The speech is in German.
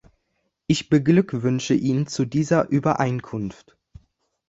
Ich beglückwünsche ihn zu dieser Übereinkunft.